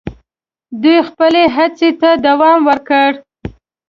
دوی خپلي هڅي ته دوم ورکړ.